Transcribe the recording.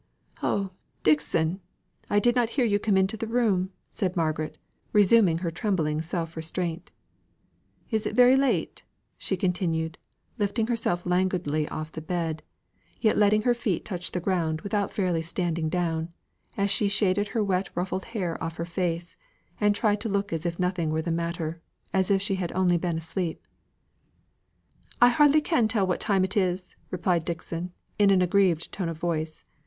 "Oh, Dixon! I did not hear you come into the room!" said Margaret, resuming her trembling self restraint. "Is it very late?" continued she, lifting herself languidly off the bed, yet letting her feet touch the ground without fairly standing down, as she shaded her wet ruffled hair off her face, and tried to look as though nothing were the matter; as if she had been asleep. "I can hardly tell what time it is," replied Dixon in an aggrieved tone of voice.